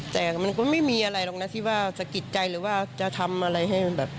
แต่มันก็ไม่มีอะไรหรอกนะที่ว่าสะกิดใจหรือว่าจะทำอะไรให้มันแบบ